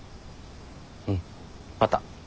うん。また。